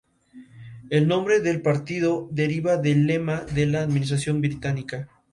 La abundancia de perdices y conejos permite que se organicen partidas de caza menor.